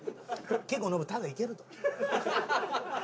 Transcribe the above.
結構ノブタダいけるど。